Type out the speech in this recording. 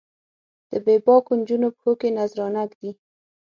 د بې باکو نجونو پښو کې نذرانه ږدي